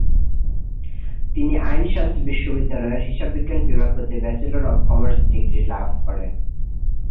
তিনি আইন-শামস বিশ্ববিদ্যালয়ের হিসাববিজ্ঞান বিভাগ হতে ব্যাচেলর অব কমার্স ডিগ্রী লাভ করেন।